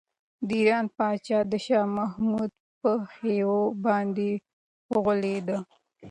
د ایران پادشاه د محمود په حيلو باندې وغولېد.